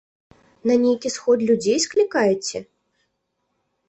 На нейкі сход людзей склікаеце?